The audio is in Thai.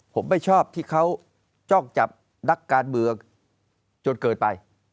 ผมไม่ชอบที่เขาจ้องจับนักการเมืองจนเกินไป